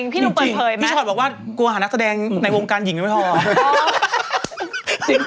พี่ชอดบอกว่ากลัวหานักแสดงในวงการหยิงไม่พออ่ะ